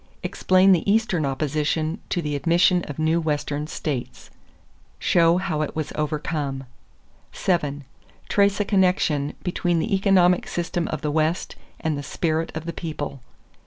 Explain the Eastern opposition to the admission of new Western states. Show how it was overcome. 7. Trace a connection between the economic system of the West and the spirit of the people.